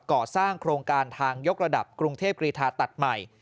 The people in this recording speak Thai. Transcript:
ก่อสร้างโครงการทางยกระดับกรุงเทพกรีธาตัดใหม่